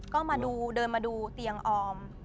ก็มาดูเดินมาดูเตียงออม